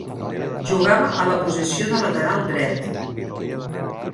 Jugava a la posició de lateral dret.